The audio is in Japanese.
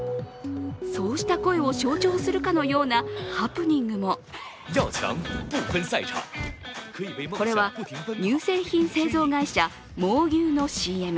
そうした声を象徴するかのようなハプニングもこれは乳製品製造会社蒙牛のＣＭ。